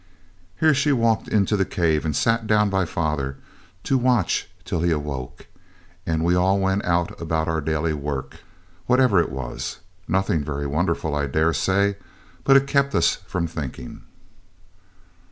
Here she walked into the cave and sat down by father to watch till he awoke, and we all went out about our daily work, whatever it was nothing very wonderful, I daresay, but it kept us from thinking.